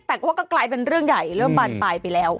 แต่ก็กลายเป็นเรื่องใหญ่เริ่มบานปลายไปแล้ว